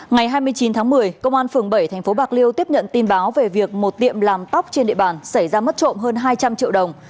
ngày hai mươi chín tháng một mươi công an phường bảy tp bạc liêu tiếp nhận tin báo về việc một tiệm làm tóc trên địa bàn xảy ra mất trộm hơn hai trăm linh triệu đồng